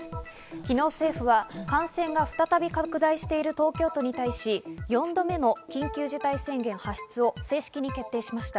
昨日、政府は感染が再び拡大している東京都に対し、４度目の緊急事態宣言発出を正式に決定しました。